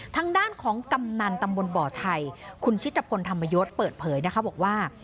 ทางด้านของกำนันตำบลบ่อไทยคุณชิตภพลธรรมยศเปิดเผยนะคะบอกว่า